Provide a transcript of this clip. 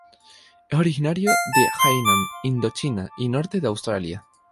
Es originario de Hainan, Indochina y norte de Australia.